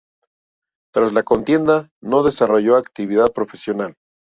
Tras la contienda no desarrolló actividad profesional.